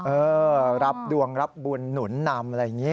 เออรับดวงรับบุญหนุนนำอะไรอย่างนี้